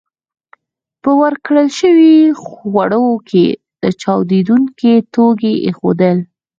په ورکړل شويو خوړو کې چاودېدونکي توکي ایښودل